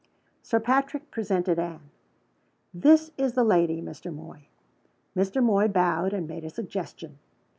Sir Patrick presented Anne. "This is the lady, Mr. Moy." Mr. Moy bowed, and made a suggestion.